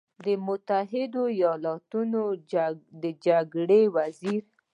د متحدو ایالتونو د جنګ وزیر